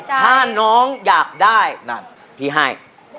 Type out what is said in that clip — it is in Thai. ถ้าน้องอยากได้นั่นพี่ให้